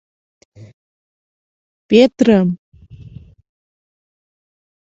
— Петрым!